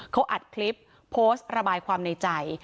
เขาอัดคลิปโพสต์ระบายความในใจ